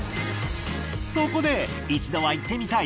そこで一度は行ってみたい！